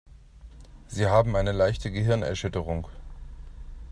Sie haben eine leichte Gehirnerschütterung.